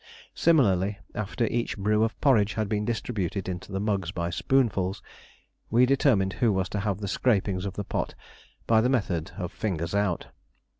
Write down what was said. Similarly, after each brew of porridge had been distributed into the mugs by spoonfuls, we determined who was to have the scrapings of the pot by the method of "fingers out."